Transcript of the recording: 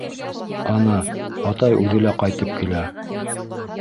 Ана, атай үҙе лә ҡайтып килә!